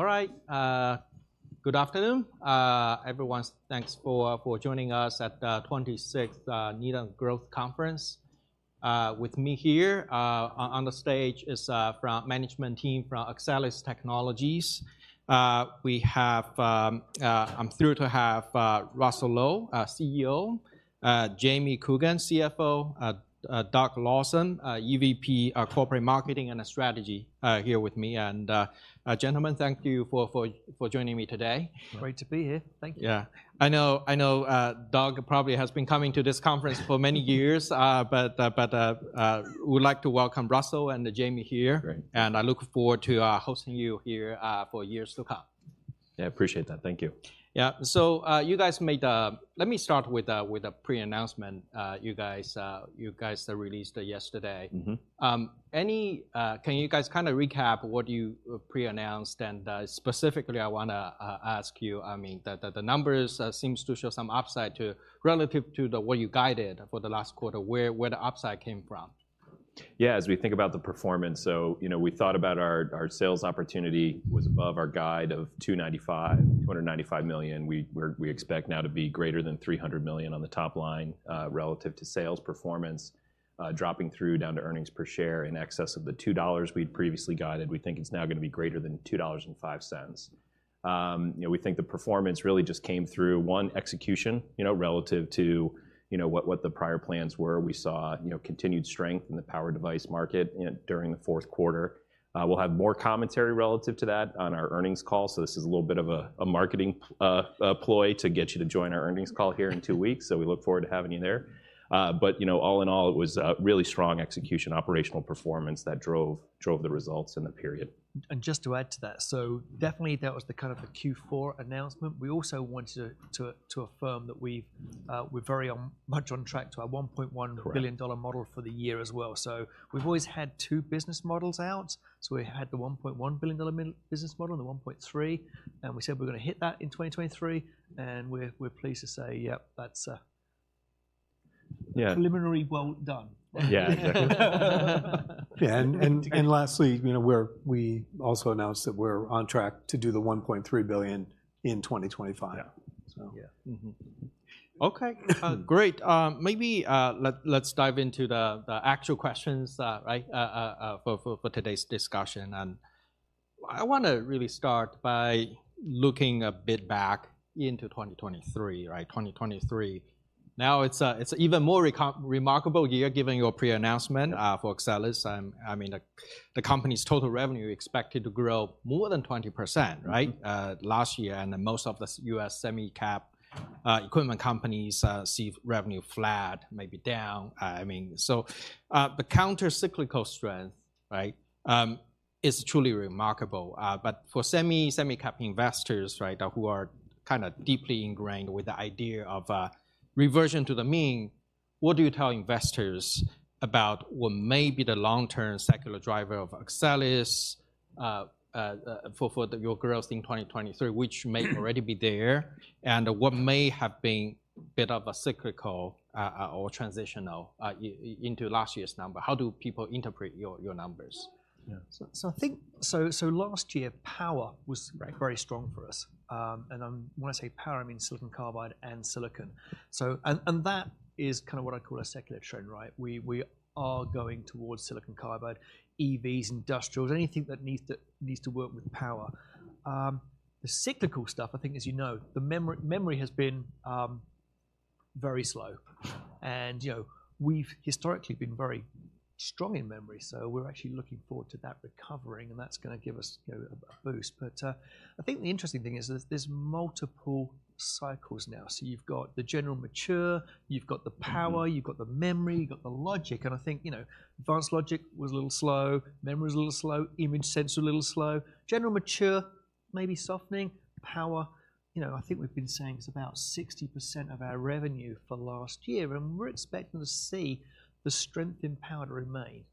All right, good afternoon. Everyone, thanks for joining us at the 26th Needham Growth Conference. With me here on the stage is from the management team from Axcelis Technologies. We have, I'm thrilled to have Russell Low, our CEO, Jamie Coogan, CFO, Doug Lawson, EVP of Corporate Marketing and Strategy, here with me. Gentlemen, thank you for joining me today. Great to be here. Thank you. Yeah. I know, I know. Doug probably has been coming to this conference for many years, but we'd like to welcome Russell and Jamie here. Great. I look forward to hosting you here for years to come. Yeah, appreciate that. Thank you. Yeah. So, you guys made a... Let me start with a pre-announcement you guys released yesterday. Mm-hmm. Can you guys kind of recap what you pre-announced? Specifically, I wanna ask you, I mean, the numbers seems to show some upside to relative to what you guided for the last quarter. Where the upside came from? Yeah, as we think about the performance, you know, we thought our sales opportunity was above our guide of $295 million. We expect now to be greater than $300 million on the top line, relative to sales performance dropping through down to earnings per share in excess of the $2 we'd previously guided. We think it's now gonna be greater than $2.05. You know, we think the performance really just came through, one, execution, you know, relative to what the prior plans were. We saw, you know, continued strength in the power device market during the fourth quarter. We'll have more commentary relative to that on our earnings call, so this is a little bit of a marketing ploy to get you to join our earnings call here in two weeks. So we look forward to having you there. But, you know, all in all, it was a really strong execution, operational performance that drove the results in the period. Just to add to that, so definitely that was the kind of the Q4 announcement. We also wanted to affirm that we've, we're very much on track to our 1.1- Correct... billion-dollar model for the year as well. So we've always had two business models out. So we had the $1.1 billion business model and the $1.3 billion, and we said we're gonna hit that in 2023, and we're, we're pleased to say, yep, that's, Yeah... preliminary well done. Yeah, exactly. Yeah, lastly, you know, we also announced that we're on track to do the $1.3 billion in 2025. Yeah. So... Yeah. Mm-hmm. Okay. Great. Maybe let's dive into the actual questions, right, for today's discussion. I wanna really start by looking a bit back into 2023, right? 2023. Now, it's an even more remarkable year, given your pre-announcement for Axcelis. I mean, the company's total revenue expected to grow more than 20%, right? Mm-hmm. Last year, and most of the U.S. semi-cap equipment companies see revenue flat, maybe down. I mean, so, the countercyclical strength, right, is truly remarkable. But for semi, semi-cap investors, right, who are kind of deeply ingrained with the idea of reversion to the mean, what do you tell investors about what may be the long-term secular driver of Axcelis for your growth in 2023, which may already be there, and what may have been a bit of a cyclical or transitional into last year's number? How do people interpret your numbers? Yeah. So, last year, power was- Right... very strong for us. When I say power, I mean silicon carbide and silicon. So... And that is kind of what I call a secular trend, right? We are going towards silicon carbide, EVs, industrials, anything that needs to work with power. The cyclical stuff, I think as you know, the memory has been very slow. And, you know, we've historically been very strong in memory, so we're actually looking forward to that recovering, and that's gonna give us, you know, a boost. But, I think the interesting thing is there's multiple cycles now. So you've got the general mature, you've got the power- Mm-hmm... you've got the memory, you've got the logic. And I think, you know, advanced logic was a little slow, memory was a little slow, image sensor a little slow. General mature, maybe softening. Power, you know, I think we've been saying it's about 60% of our revenue for last year, and we're expecting to see the strength in power remain.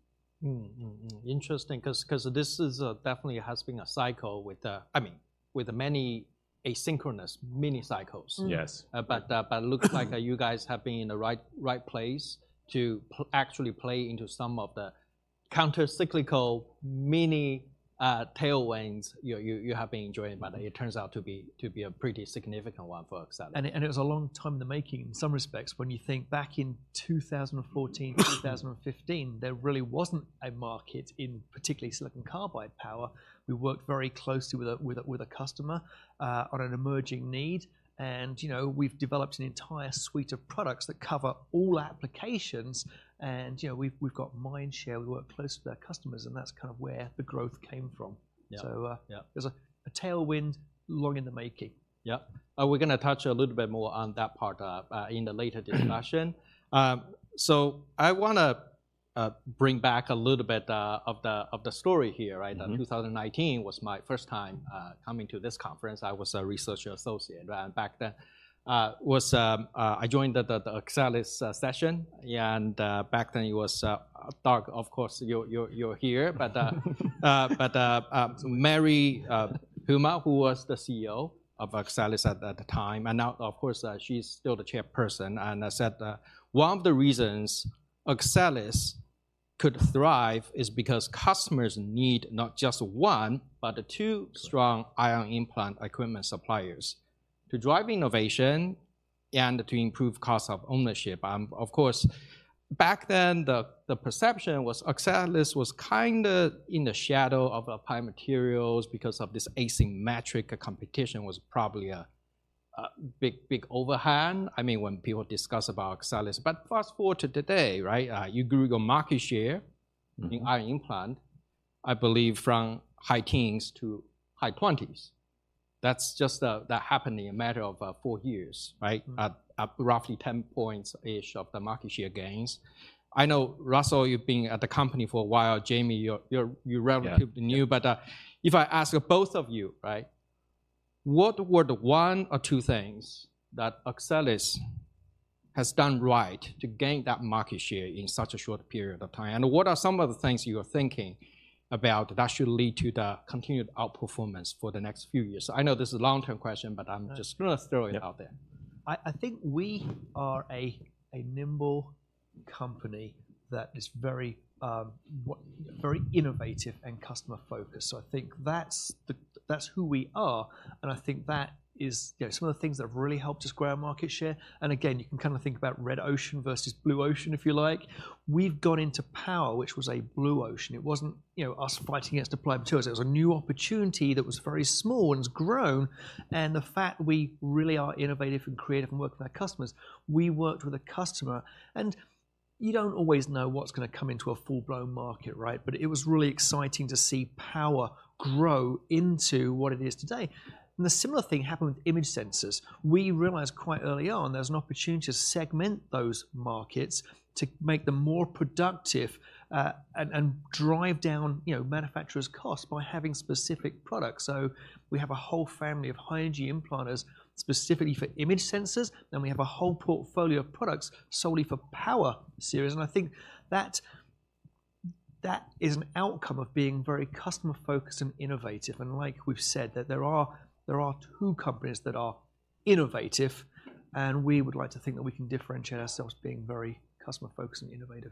Interesting, 'cause this is definitely has been a cycle with, I mean, with many asynchronous mini cycles. Mm. Yes. But looks like you guys have been in the right place to actually play into some of the countercyclical mini tailwinds you have been enjoying. But it turns out to be a pretty significant one for Axcelis. And it was a long time in the making in some respects. When you think back in 2014, 2015... there really wasn't a market in particularly silicon carbide power. We worked very closely with a customer on an emerging need, and, you know, we've developed an entire suite of products that cover all applications, and, you know, we've got mindshare, we work closely with our customers, and that's kind of where the growth came from. Yeah. So, uh- Yeah... there's a tailwind long in the making. Yeah. We're gonna touch a little bit more on that part in the later discussion. So I wanna bring back a little bit of the story here, right? Mm-hmm. 2019 was my first time coming to this conference. I was a research associate, right? Back then. I joined the Axcelis session, yeah, and back then it was Doug, of course, you're here. But Mary Puma, who was the CEO of Axcelis at that time, and now, of course, she's still the chairperson, and said one of the reasons Axcelis could thrive is because customers need not just one, but two strong ion implant equipment suppliers to drive innovation and to improve cost of ownership. Of course, back then, the perception was Axcelis was kind of in the shadow of Applied Materials because of this asymmetric competition was probably a big overhang, I mean, when people discuss about Axcelis. But fast-forward to today, right? You grew your market share- Mm-hmm. in ion implant, I believe, from high teens to high twenties. That's just that happened in a matter of 4 years, right? Mm. At roughly 10 points-ish of the market share gains. I know, Russell, you've been at the company for a while. Jamie, you're relatively- Yeah... new, but if I ask both of you, right? What were the one or two things that Axcelis has done right to gain that market share in such a short period of time, and what are some of the things you are thinking about that should lead to the continued outperformance for the next few years? I know this is a long-term question, but I'm just- Sure... gonna throw it out there. Yep. I think we are a nimble company that is very innovative and customer-focused, so I think that's who we are, and I think that is, you know, some of the things that have really helped us grow our market share. And again, you can kind of think about red ocean versus blue ocean, if you like. We've gone into power, which was a blue ocean. It wasn't, you know, us fighting against Applied Materials. It was a new opportunity that was very small and has grown, and the fact we really are innovative, and creative, and work with our customers, we worked with a customer. And you don't always know what's gonna come into a full-blown market, right? But it was really exciting to see power grow into what it is today. And a similar thing happened with image sensors. We realized quite early on there's an opportunity to segment those markets to make them more productive, and drive down, you know, manufacturers' costs by having specific products. So we have a whole family of high-energy implanters specifically for image sensors, then we have a whole portfolio of products solely for power series, and I think that is an outcome of being very customer-focused and innovative. And like we've said, that there are two companies that are innovative, and we would like to think that we can differentiate ourselves being very customer-focused and innovative.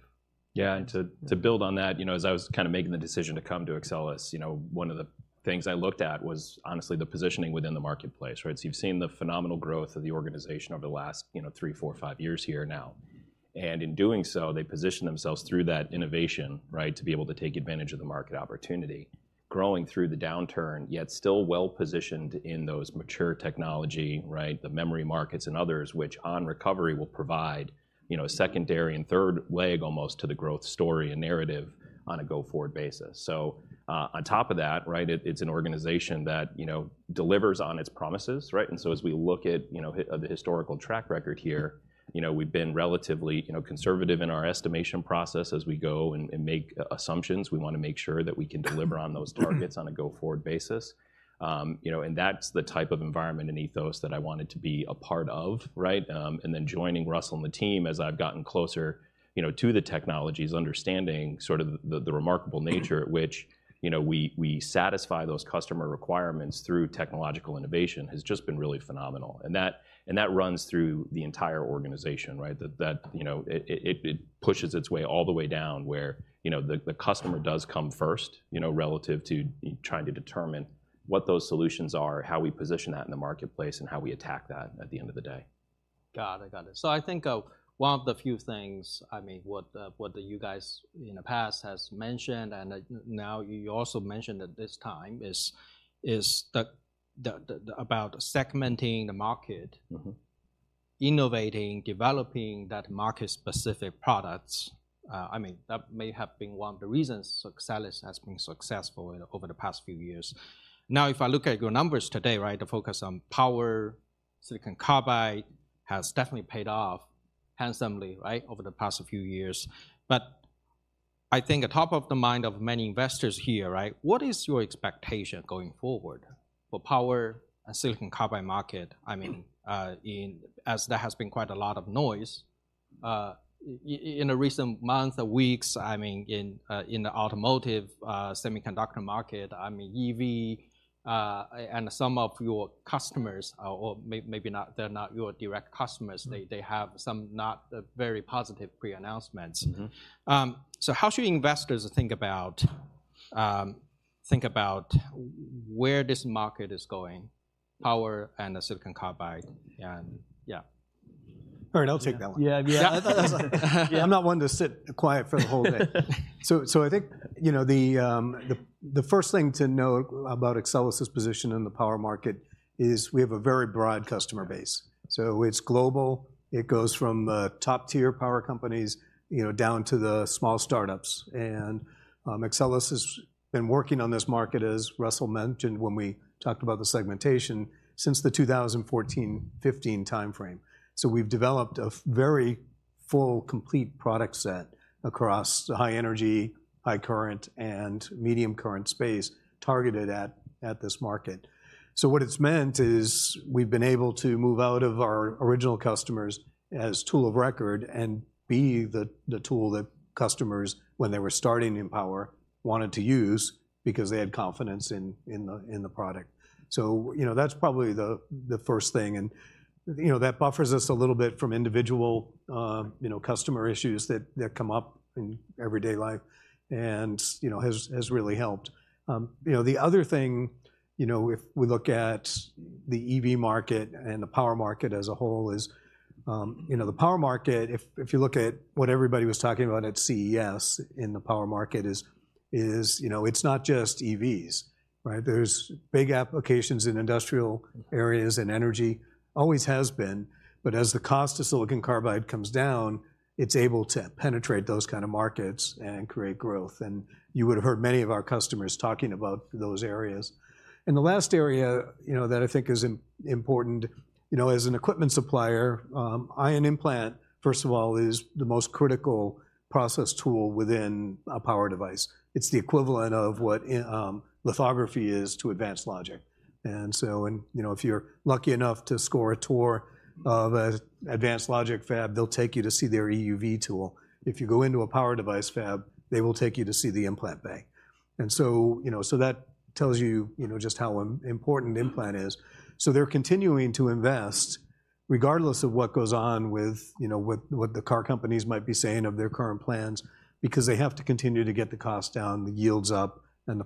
Yeah, and to, Yeah. To build on that, you know, as I was kind of making the decision to come to Axcelis, you know, one of the things I looked at was honestly the positioning within the marketplace, right? So you've seen the phenomenal growth of the organization over the last, you know, 3, 4, 5 years here now, and in doing so, they positioned themselves through that innovation, right, to be able to take advantage of the market opportunity. Growing through the downturn, yet still well-positioned in those mature technology, right, the memory markets and others, which, on recovery, will provide, you know- Mm... secondary and third leg almost to the growth story and narrative on a go-forward basis. So, on top of that, right, it, it's an organization that, you know, delivers on its promises, right? And so as we look at, you know, the historical track record here, you know, we've been relatively, you know, conservative in our estimation process. As we go and make assumptions, we want to make sure that we can deliver on those targets- Mm... on a go-forward basis. You know, and that's the type of environment and ethos that I wanted to be a part of, right? And then joining Russell and the team, as I've gotten closer, you know, to the technologies, understanding sort of the remarkable nature at which, you know, we satisfy those customer requirements through technological innovation has just been really phenomenal. And that runs through the entire organization, right? That, you know, it pushes its way all the way down, where, you know, the customer does come first, you know, relative to trying to determine what those solutions are, how we position that in the marketplace, and how we attack that at the end of the day. Got it, got it. So I think one of the few things, I mean, what you guys in the past has mentioned, and now you also mentioned at this time, is the about segmenting the market- Mm-hmm... innovating, developing that market-specific products. I mean, that may have been one of the reasons Axcelis has been successful over the past few years. Now, if I look at your numbers today, right, the focus on power, silicon carbide, has definitely paid off handsomely, right, over the past few years. But I think at top of the mind of many investors here, right, what is your expectation going forward for power and silicon carbide market? I mean, as there has been quite a lot of noise in the recent months or weeks, I mean, in the automotive semiconductor market, I mean, EV and some of your customers, or maybe not, they're not your direct customers- Mm... they have some not very positive pre-announcements. Mm-hmm. So how should investors think about, think about where this market is going, power and the silicon carbide? And yeah. All right, I'll take that one. Yeah, yeah. Yeah, I thought I'm not one to sit quiet for the whole day. So I think, you know, the first thing to know about Axcelis' position in the power market is we have a very broad customer base. So it's global, it goes from top-tier power companies, you know, down to the small startups. And Axcelis has been working on this market, as Russell mentioned, when we talked about the segmentation, since the 2014-2015 timeframe. So we've developed a very full, complete product set across the high energy, high current, and medium current space targeted at this market.... So what it's meant is, we've been able to move out of our original customers as tool of record and be the tool that customers, when they were starting in power, wanted to use because they had confidence in the product. So, you know, that's probably the first thing, and, you know, that buffers us a little bit from individual, you know, customer issues that come up in everyday life and, you know, has really helped. You know, the other thing, you know, if we look at the EV market and the power market as a whole, is, you know, the power market, if you look at what everybody was talking about at CES, in the power market is, you know, it's not just EVs, right? There's big applications in industrial areas, and energy always has been, but as the cost of silicon carbide comes down, it's able to penetrate those kind of markets and create growth. And you would have heard many of our customers talking about those areas. And the last area, you know, that I think is important, you know, as an equipment supplier, ion implant, first of all, is the most critical process tool within a power device. It's the equivalent of what lithography is to advanced logic. And so—and, you know, if you're lucky enough to score a tour of a advanced logic fab, they'll take you to see their EUV tool. If you go into a power device fab, they will take you to see the implant bank. And so, you know, so that tells you, you know, just how important implant is. So they're continuing to invest, regardless of what goes on with, you know, what, what the car companies might be saying of their current plans, because they have to continue to get the cost down, the yields up, and the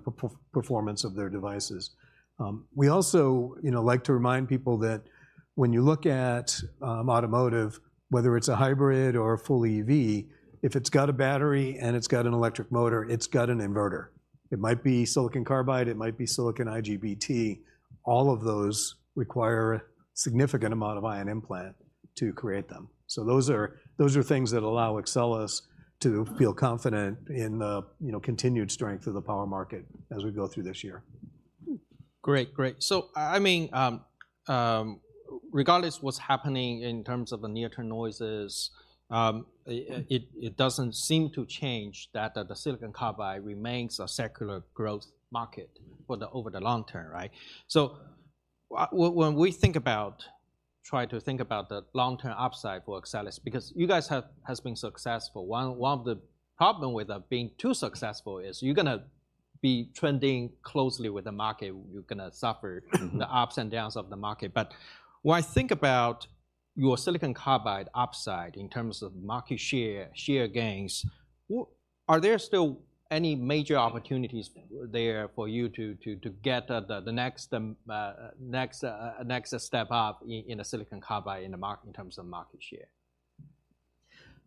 performance of their devices. We also, you know, like to remind people that when you look at automotive, whether it's a hybrid or a full EV, if it's got a battery and it's got an electric motor, it's got an inverter. It might be silicon carbide, it might be silicon IGBT. All of those require a significant amount of ion implant to create them. So those are, those are things that allow Axcelis to feel confident in the, you know, continued strength of the power market as we go through this year. Great. Great. So I mean, regardless what's happening in terms of the near-term noises, it doesn't seem to change that the silicon carbide remains a secular growth market for the, over the long term, right? So when we think about, try to think about the long-term upside for Axcelis, because you guys have has been successful. One of the problem with being too successful is you're gonna be trending closely with the market. You're gonna suffer the ups and downs of the market. But when I think about your silicon carbide upside in terms of market share, share gains, are there still any major opportunities there for you to get the next step up in the silicon carbide in the market in terms of market share?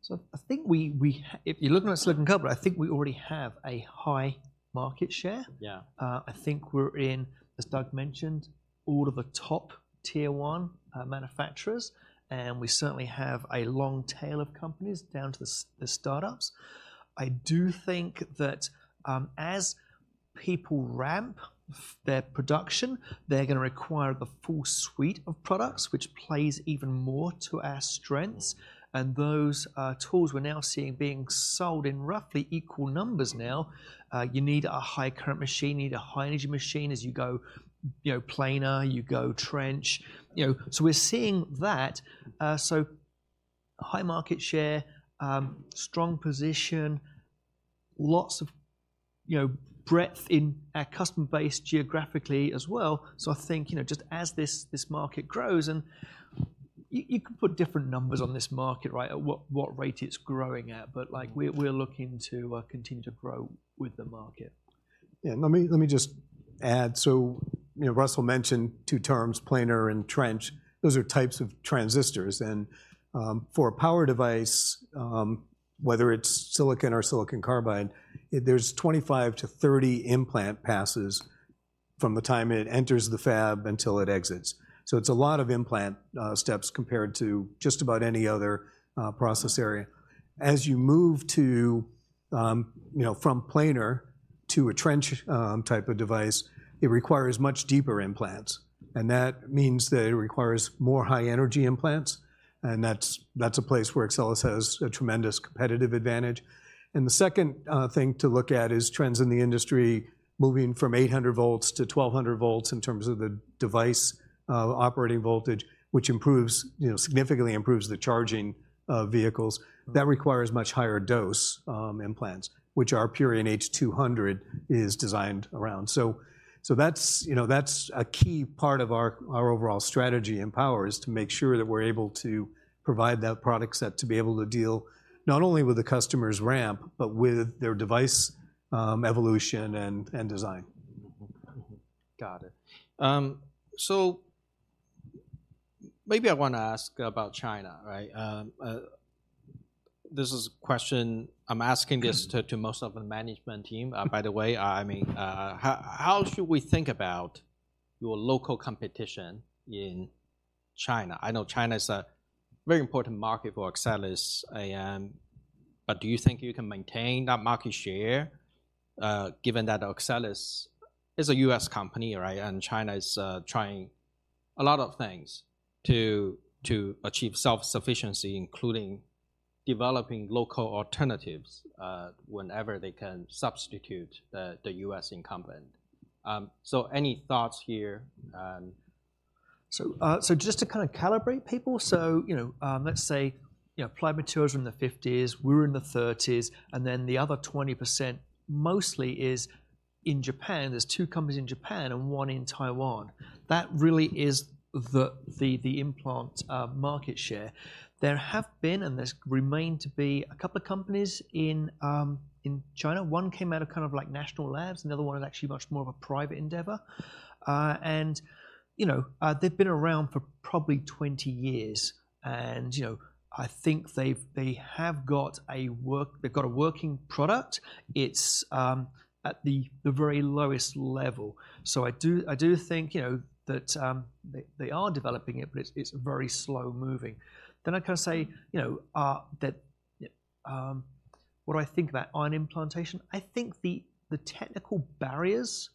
So I think we... If you're looking at silicon carbide, I think we already have a high market share. Yeah. I think we're in, as Doug mentioned, all of the top tier one manufacturers, and we certainly have a long tail of companies down to the start-ups. I do think that, as people ramp their production, they're gonna require the full suite of products, which plays even more to our strengths. And those tools we're now seeing being sold in roughly equal numbers now. You need a high current machine, you need a high energy machine as you go, you know, planar, you go trench. You know, so we're seeing that. So high market share, strong position, lots of, you know, breadth in our customer base geographically as well. I think, you know, just as this, this market grows, and you can put different numbers on this market, right, at what, what rate it's growing at, but, like, we're, we're looking to continue to grow with the market. Yeah, let me, let me just add. So, you know, Russell mentioned two terms, planar and trench. Those are types of transistors. And, for a power device, whether it's silicon or silicon carbide, there's 25-30 implant passes from the time it enters the fab until it exits. So it's a lot of implant steps compared to just about any other process area. As you move to, you know, from planar to a trench type of device, it requires much deeper implants, and that means that it requires more high energy implants, and that's, that's a place where Axcelis has a tremendous competitive advantage. The second thing to look at is trends in the industry, moving from 800 volts to 1200 volts in terms of the device operating voltage, which improves, you know, significantly improves the charging of vehicles. That requires much higher dose implants, which our Purion H200 is designed around. So, so that's, you know, that's a key part of our, our overall strategy in power, is to make sure that we're able to provide that product set to be able to deal not only with the customer's ramp, but with their device evolution and, and design. Mm-hmm. Got it. So maybe I want to ask about China, right? This is a question I'm asking this to most of the management team. By the way, I mean, how should we think about your local competition in China? I know China is a very important market for Axcelis, but do you think you can maintain that market share, given that Axcelis is a U.S. company, right? And China is trying a lot of things to achieve self-sufficiency, including developing local alternatives, whenever they can substitute the U.S. incumbent. So any thoughts here? So, just to kind of calibrate people, so, you know, let's say, you know, Applied Materials in the 50%, we're in the 30%, and then the other 20% mostly is in Japan. There's 2 companies in Japan and 1 in Taiwan. That really is the implant market share. There have been, and there's remained to be a couple of companies in China. One came out of kind of like national labs, another one is actually much more of a private endeavor. And, you know, they've been around for probably 20 years, and, you know, I think they've got a working product. It's at the very lowest level. So I do think, you know, that they are developing it, but it's very slow-moving. Then I can say, you know, that, what I think about ion implantation, I think the technical barriers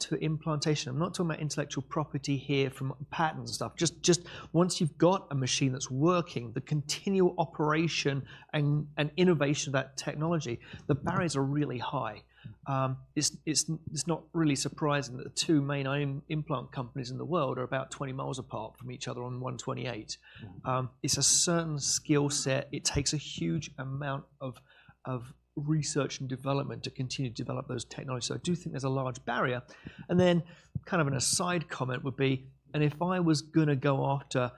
to implantation, I'm not talking about intellectual property here from patents and stuff, just once you've got a machine that's working, the continual operation and innovation of that technology, the barriers are really high. It's not really surprising that the two main ion implant companies in the world are about 20 miles apart from each other on Route 128. Mm-hmm. It's a certain skill set. It takes a huge amount of research and development to continue to develop those technologies. So I do think there's a large barrier, and then kind of an aside comment would be, and if I was gonna go after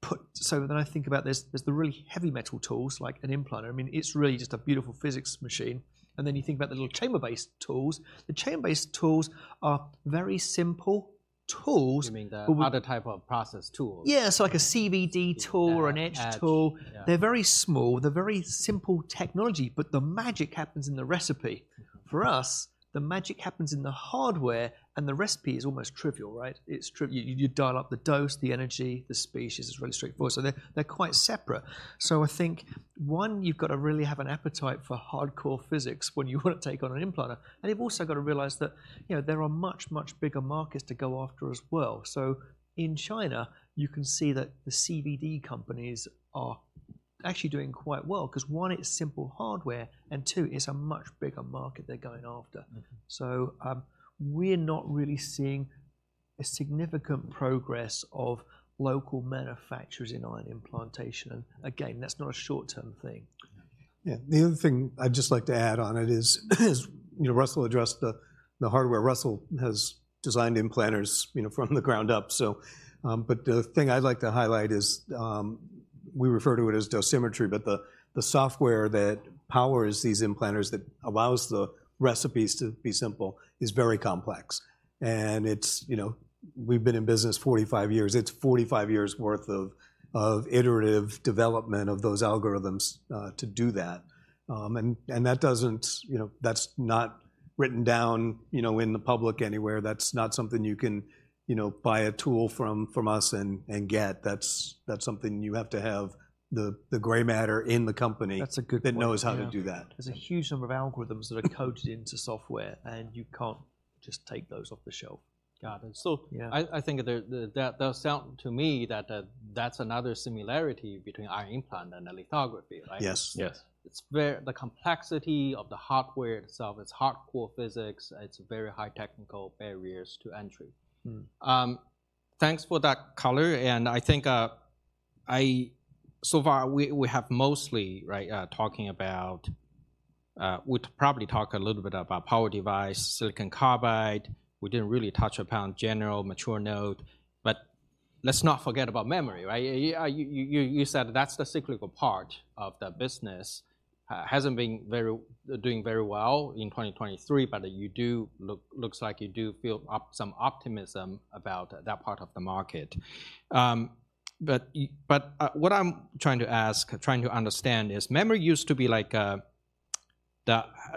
put-- So when I think about this, there's the really heavy metal tools, like an implanter. I mean, it's really just a beautiful physics machine, and then you think about the little chamber-based tools. The chamber-based tools are very simple tools- You mean the other type of process tools? Yeah, so like a CVD tool- Yeah... or an etch tool. Yeah. They're very small. They're very simple technology, but the magic happens in the recipe. For us, the magic happens in the hardware, and the recipe is almost trivial, right? It's trivial. You dial up the dose, the energy, the species. It's really straightforward. So they're quite separate. So I think, one, you've got to really have an appetite for hardcore physics when you want to take on an implanter, and you've also got to realize that, you know, there are much, much bigger markets to go after as well. So in China, you can see that the CVD companies are actually doing quite well, 'cause one, it's simple hardware, and two, it's a much bigger market they're going after. Mm-hmm. We're not really seeing a significant progress of local manufacturers in ion implantation, and again, that's not a short-term thing. Okay. Yeah. The other thing I'd just like to add on it is, you know, Russell addressed the hardware. Russell has designed implanters, you know, from the ground up, so, but the thing I'd like to highlight is, we refer to it as dosimetry, but the software that powers these implanters, that allows the recipes to be simple, is very complex. And it's... You know, we've been in business 45 years. It's 45 years' worth of iterative development of those algorithms to do that. And that doesn't, you know, that's not written down, you know, in the public anywhere. That's not something you can, you know, buy a tool from us and get. That's something you have to have the gray matter in the company- That's a good point. - that knows how to do that. Yeah. There's a huge number of algorithms that are coded into software, and you can't just take those off the shelf. Got it. Yeah. I think that sounds to me that that's another similarity between ion implant and lithography, right? Yes. Yes. It's where the complexity of the hardware itself, it's hardcore physics, it's very high technical barriers to entry. Mm. Thanks for that color, and I think, so far we have mostly, right, talking about, we'd probably talk a little bit about power device, silicon carbide. We didn't really touch upon general mature node, but let's not forget about memory, right? You said that's the cyclical part of the business. Hasn't been doing very well in 2023, but it looks like you do feel some optimism about that part of the market. But what I'm trying to ask, trying to understand is, memory used to be like the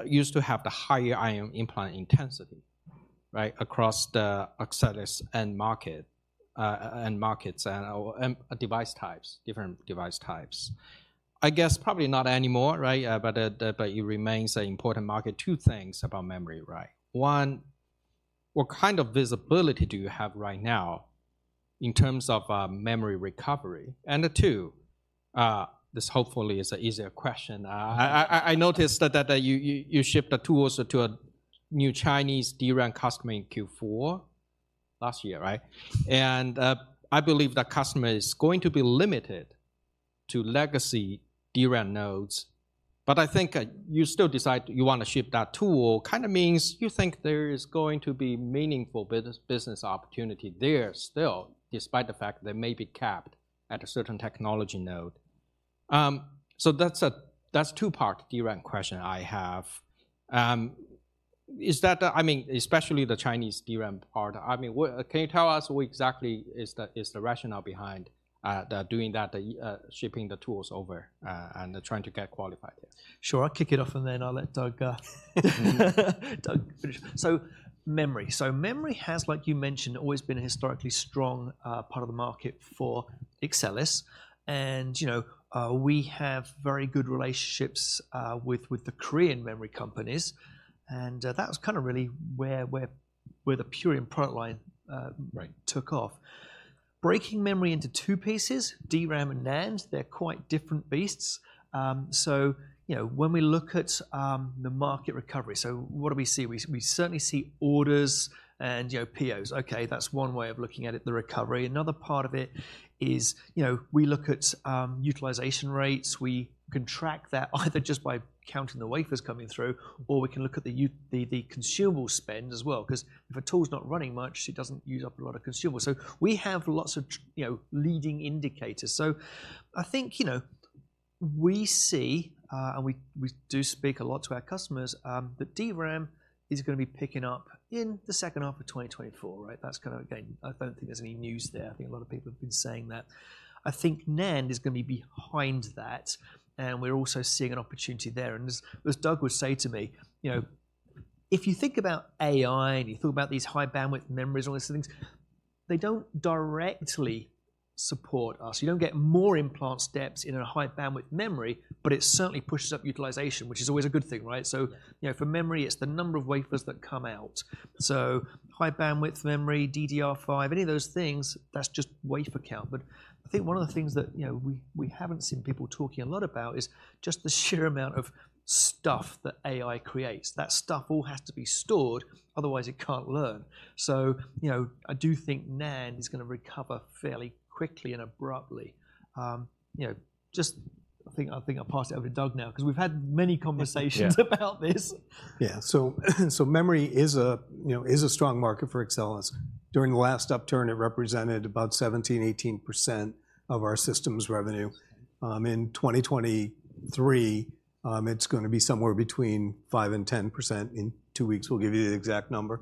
used to have the higher ion implant intensity, right? Across the Axcelis end market, and markets and, or, device types, different device types. I guess probably not anymore, right? But it remains an important market. Two things about memory, right? One, what kind of visibility do you have right now in terms of memory recovery? And two, this hopefully is an easier question. I noticed that you shipped the tools to a new Chinese DRAM customer in Q4 last year, right? And I believe the customer is going to be limited to legacy DRAM nodes, but I think you still decide you wanna ship that tool. Kinda means you think there is going to be meaningful business, business opportunity there still, despite the fact they may be capped at a certain technology node. So that's a two-part DRAM question I have. Is that the... I mean, especially the Chinese DRAM part, I mean, what can you tell us what exactly is the, is the rationale behind, the doing that, the, shipping the tools over, and trying to get qualified there? Sure. I'll kick it off, and then I'll let Doug, Doug finish. So memory. So memory has, like you mentioned, always been a historically strong, part of the market for Axcelis, and, you know, we have very good relationships, with, with the Korean memory companies, and, that was kind of really where the Purion product line, Right... took off. Breaking memory into two pieces, DRAM and NAND, they're quite different beasts. So, you know, when we look at the market recovery, so what do we see? We certainly see orders and, you know, POs. Okay, that's one way of looking at it, the recovery. Another part of it is, you know, we look at utilization rates. We can track that either just by counting the wafers coming through, or we can look at the consumable spend as well, 'cause if a tool's not running much, it doesn't use up a lot of consumables. So we have lots of leading indicators. So I think, you know, we see, and we do speak a lot to our customers, that DRAM is gonna be picking up in the second half of 2024, right? That's kind of, again, I don't think there's any news there. I think a lot of people have been saying that. I think NAND is gonna be behind that, and we're also seeing an opportunity there. And as Doug would say to me, "You know, if you think about AI, and you think about these high-bandwidth memories, all these things, they don't directly support us." You don't get more implant steps in a high-bandwidth memory, but it certainly pushes up utilization, which is always a good thing, right? So, you know, for memory, it's the number of wafers that come out. So high-bandwidth memory, DDR5, any of those things, that's just wafer count. But I think one of the things that, you know, we haven't seen people talking a lot about is just the sheer amount of stuff that AI creates. That stuff all has to be stored, otherwise it can't learn. So, you know, I do think NAND is gonna recover fairly quickly and abruptly. You know, just I think, I think I'll pass it over to Doug now, 'cause we've had many conversations about this. Yeah. So memory is, you know, a strong market for Axcelis. During the last upturn, it represented about 17%-18% of our systems revenue. In 2023, it's gonna be somewhere between 5%-10%. In two weeks, we'll give you the exact number.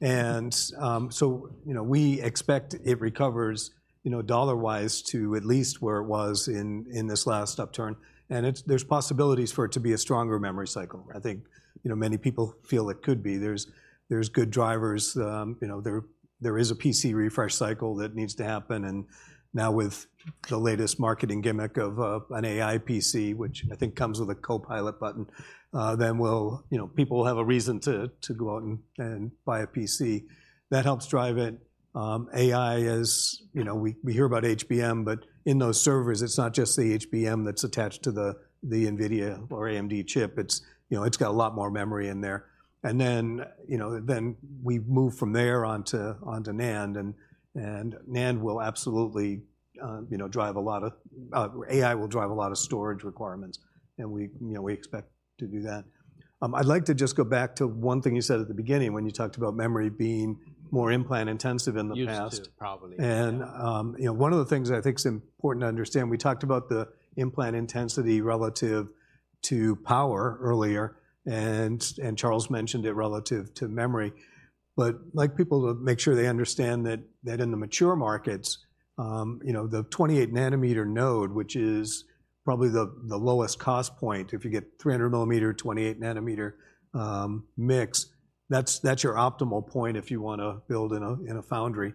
Yeah. So, you know, we expect it recovers, you know, dollar-wise, to at least where it was in this last upturn, and it's. There's possibilities for it to be a stronger memory cycle. I think, you know, many people feel it could be. There's good drivers, you know, there is a PC refresh cycle that needs to happen, and now with the latest marketing gimmick of an AI PC, which I think comes with a Copilot button, then we'll. You know, people will have a reason to go out and buy a PC. That helps drive it. AI is, you know, we hear about HBM, but in those servers, it's not just the HBM that's attached to the NVIDIA or AMD chip. It's, you know, it's got a lot more memory in there. And then, you know, then we move from there on to NAND, and NAND will absolutely, you know, drive a lot of, AI will drive a lot of storage requirements, and we, you know, we expect to do that. I'd like to just go back to one thing you said at the beginning when you talked about memory being more implant-intensive in the past. Used to, probably. You know, one of the things I think is important to understand, we talked about the implant intensity relative to power earlier, and Charles mentioned it relative to memory. But I'd like people to make sure they understand that in the mature markets, you know, the 28 nm node, which is probably the lowest cost point, if you get 300 mm, 28 nm mix, that's your optimal point if you wanna build in a foundry.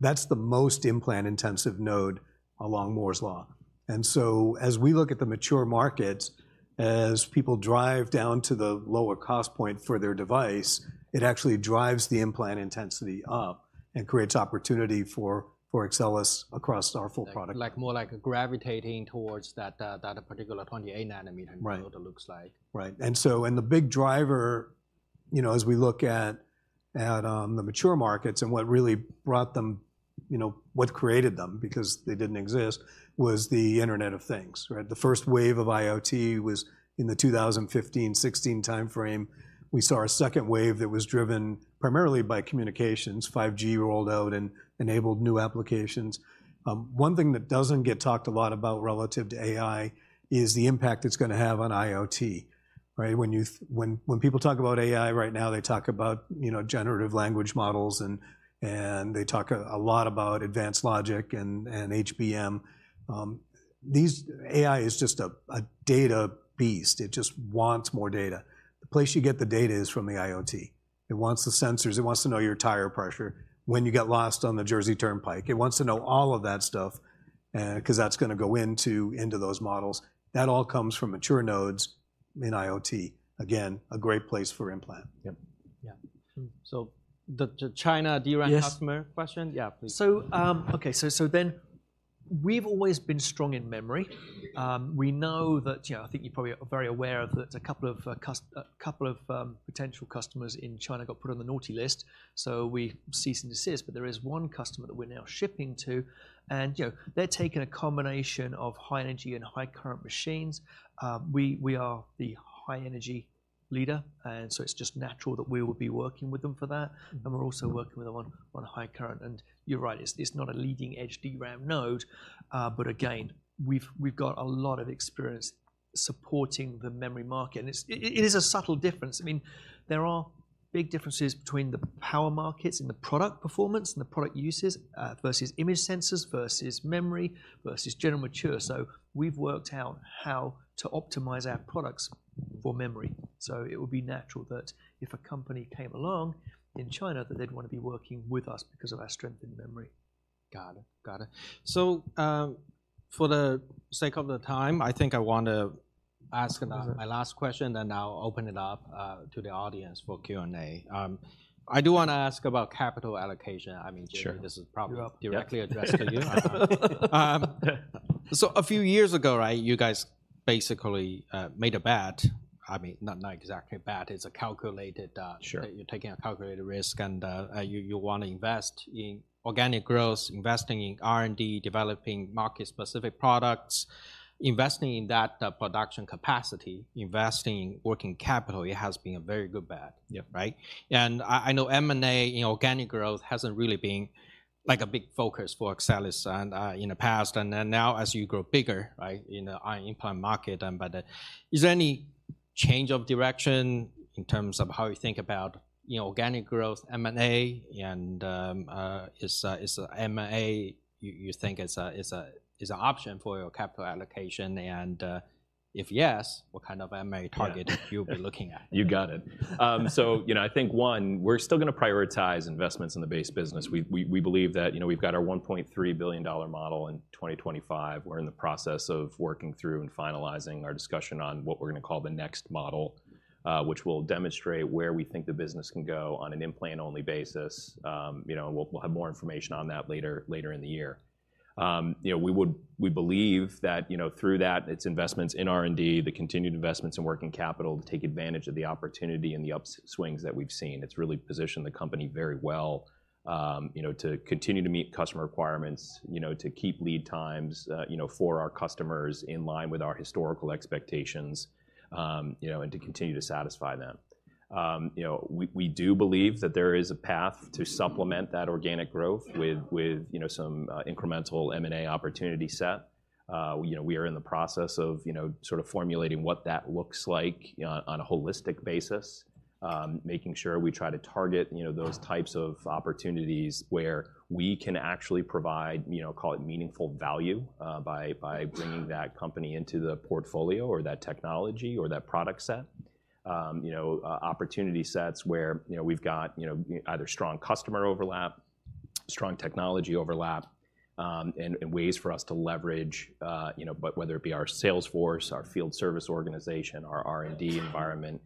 That's the most implant-intensive node along Moore's Law. And so as we look at the mature markets, as people drive down to the lower cost point for their device, it actually drives the implant intensity up and creates opportunity for Axcelis across our full product line. Like, more like gravitating towards that, that particular 28 nm Right... node looks like. Right. And so, the big driver, you know, as we look at the mature markets and what really brought them, you know, what created them, because they didn't exist, was the Internet of Things, right? The first wave of IoT was in the 2015-2016 timeframe. We saw a second wave that was driven primarily by communications. 5G rolled out and enabled new applications. One thing that doesn't get talked a lot about relative to AI is the impact it's gonna have on IoT, right? When when people talk about AI right now, they talk about, you know, generative language models, and they talk a lot about advanced logic and HBM. AI is just a data beast. It just wants more data. The place you get the data is from the IoT. It wants the sensors. It wants to know your tire pressure, when you get lost on the Jersey Turnpike. It wants to know all of that stuff, 'cause that's gonna go into, into those models. That all comes from mature nodes in IoT. Again, a great place for implant. Yep, yeah. So the China DRAM- Yes... customer question? Yeah, please. So, we've always been strong in memory. We know that, yeah, I think you're probably very aware of that. A couple of potential customers in China got put on the naughty list, so we cease and desist, but there is one customer that we're now shipping to, and, you know, they're taking a combination of high energy and high current machines. We are the high energy leader, and so it's just natural that we would be working with them for that. Mm-hmm. And we're also working with them on high current, and you're right, it's not a leading-edge DRAM node, but again, we've got a lot of experience supporting the memory market. And it's a subtle difference. I mean, there are big differences between the power markets and the product performance and the product uses versus image sensors, versus memory, versus general mature. So we've worked out how to optimize our products for memory. So it would be natural that if a company came along in China, that they'd want to be working with us because of our strength in memory. Got it, got it. So, for the sake of the time, I think I want to- ... ask another, my last question, then I'll open it up to the audience for Q&A. I do want to ask about capital allocation. I mean- Sure. This is probably directly addressed to you. So a few years ago, right, you guys basically made a bet, I mean, not, not exactly a bet. It's a calculated Sure. You're taking a calculated risk, and you want to invest in organic growth, investing in R&D, developing market-specific products, investing in that production capacity, investing in working capital. It has been a very good bet. Yeah. Right? And I know M&A in organic growth hasn't really been, like, a big focus for Axcelis and in the past, and then now as you grow bigger, right, in the ion implant market and by that. Is there any change of direction in terms of how you think about, you know, organic growth, M&A, and is M&A you think is an option for your capital allocation? And if yes, what kind of M&A targets you'll be looking at? You got it. So you know, I think, one, we're still gonna prioritize investments in the base business. We believe that, you know, we've got our $1.3 billion model in 2025. We're in the process of working through and finalizing our discussion on what we're gonna call the next model, which will demonstrate where we think the business can go on an implant-only basis. You know, and we'll have more information on that later in the year. You know, we would. We believe that, you know, through that, it's investments in R&D, the continued investments in working capital to take advantage of the opportunity and the upswings that we've seen. It's really positioned the company very well, you know, to continue to meet customer requirements, you know, to keep lead times, you know, for our customers in line with our historical expectations, you know, and to continue to satisfy them. You know, we, we do believe that there is a path to supplement that organic growth with, with, you know, some, incremental M&A opportunity set. You know, we are in the process of, you know, sort of formulating what that looks like on, on a holistic basis. Making sure we try to target, you know, those types of opportunities where we can actually provide, you know, call it meaningful value, by, by bringing that company into the portfolio or that technology or that product set. You know, opportunity sets where, you know, we've got, you know, either strong customer overlap, strong technology overlap, and ways for us to leverage, you know, but whether it be our sales force, our field service organization, our R&D environment,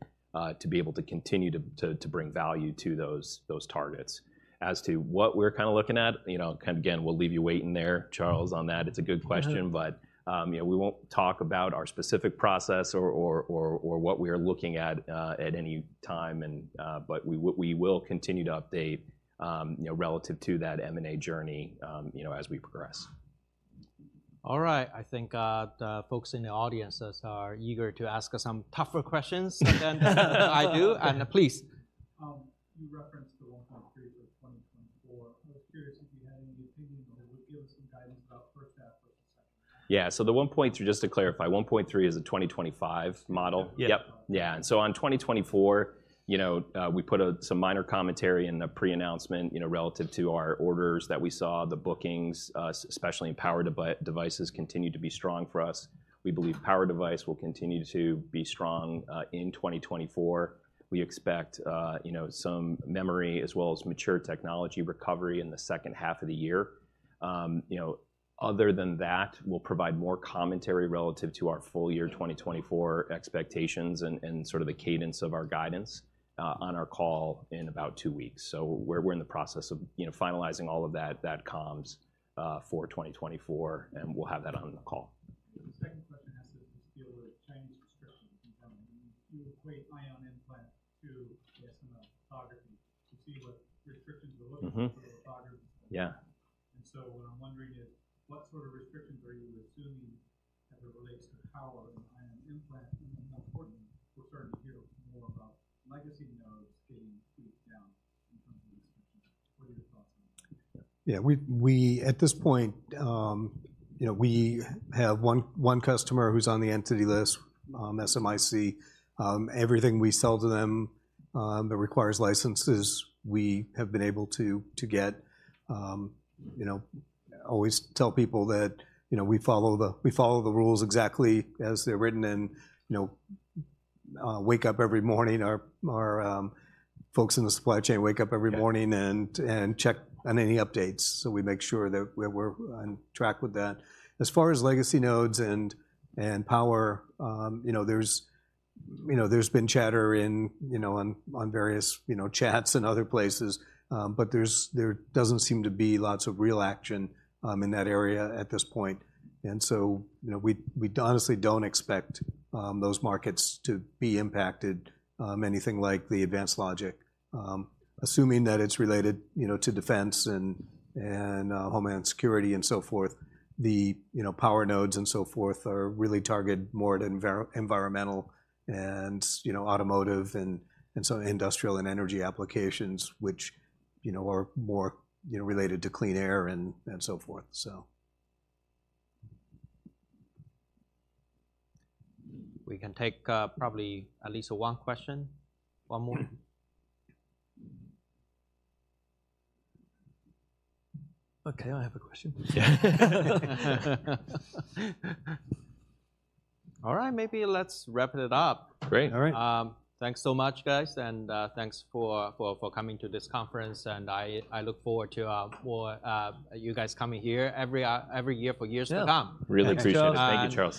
to be able to continue to bring value to those targets. As to what we're kind of looking at, you know, kind of again, we'll leave you waiting there, Charles, on that. It's a good question. Mm-hmm.... but, you know, we won't talk about our specific process or what we are looking at at any time and... But we will continue to update, you know, relative to that M&A journey, you know, as we progress. All right, I think the folks in the audiences are eager to ask us some tougher questions than I do. Please. You referenced the $1.3 billion for 2024. I was curious if you had any opinion or would give us some guidance about first half of the second. Yeah. So the $1.3 billion... Just to clarify, $1.3 billion is a 2025 model. Yep. Yep. Yeah, and so in 2024, you know, we put some minor commentary in the pre-announcement, you know, relative to our orders that we saw, the bookings, especially in power devices continued to be strong for us. We believe power device will continue to be strong in 2024. We expect, you know, some memory as well as mature technology recovery in the second half of the year. You know, other than that, we'll provide more commentary relative to our full year 2024 expectations and sort of the cadence of our guidance on our call in about two weeks. So we're in the process of, you know, finalizing all of that comms for 2024, and we'll have that on the call. The second question has to deal with Chinese restrictions coming in. You equate ion implant to the SMIC lithography to see what restrictions look like- Mm-hmm... for the photography. Yeah. And so what I'm wondering is, what sort of restrictions are you assuming as it relates to power and ion implant? And more importantly, we're starting to hear more about legacy nodes getting kicked down in terms of restrictions. What are your thoughts on that? Yeah. Yeah. Yeah, we at this point, you know, we have one customer who's on the entity list, SMIC. Everything we sell to them that requires licenses, we have been able to get, you know, always tell people that, you know, we follow the rules exactly as they're written. And, you know, wake up every morning, our folks in the supply chain wake up every morning- Yeah... and check on any updates, so we make sure that we're on track with that. As far as legacy nodes and power, you know, there's been chatter in, you know, on various chats and other places, but there doesn't seem to be lots of real action in that area at this point. And so, you know, we honestly don't expect those markets to be impacted anything like the advanced logic. Assuming that it's related, you know, to defense and homeland security and so forth, you know, power nodes and so forth are really targeted more at environmental and, you know, automotive and some industrial and energy applications, which, you know, are more, you know, related to clean air and so forth, so. We can take, probably at least one question. One more? Okay, I have a question. All right, maybe let's wrap it up. Great, all right. Thanks so much, guys, and thanks for coming to this conference, and I look forward to you guys coming here every year for years to come. Yeah. Really appreciate it. Thanks, Charles. Thank you, Charles.